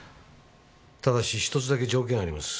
ただし１つだけ条件があります。